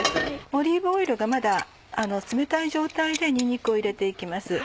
オリーブオイルがまだ冷たい状態でにんにくを入れて行きます。